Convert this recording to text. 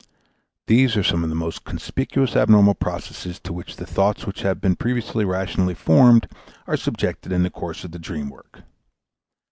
These are some of the most conspicuous abnormal processes to which the thoughts which have previously been rationally formed are subjected in the course of the dream work.